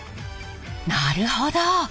なるほど。